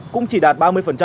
cũng chỉ đạt ba mươi